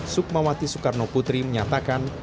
sukmawati soekarnoputri menyatakan